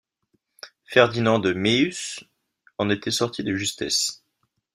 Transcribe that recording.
Ferdinand de Meeûs en était sorti de justesse.